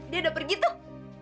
dia udah pergi tuh